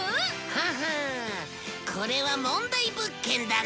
ははあこれは問題物件だね